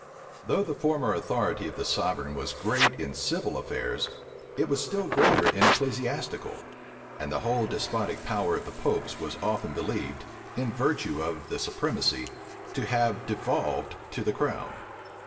Though the former authority of the sovereign was great in civil affairs, it was still greater in ecclesiastical; and the whole despotic power of the popes was often believed, in virtue of the supremacy, to have devolved to the crown.